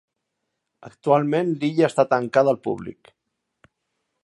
Actualment l'illa està tancada al públic.